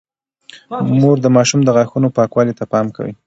مور د ماشوم د غاښونو پاکوالي ته پام کوي۔